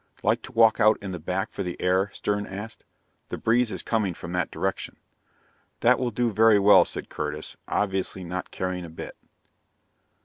"Like to walk out in the back for the air?" Stern asked. "The breeze is coming from that direction." "That will do very well," said Curtis, obviously not caring a bit.